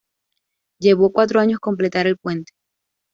Llevó cuatro años completar el puente.